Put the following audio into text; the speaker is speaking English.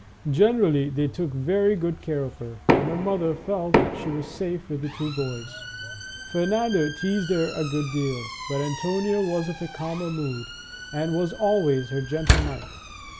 Generally they took very good care of her, and her mother felt that she was safe with the two boys. Fernando teased her a good deal, but Antonio was of a calmer mood, and was always her gentle knight.